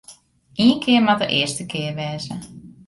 Ien kear moat de earste kear wêze.